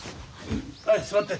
はい座って。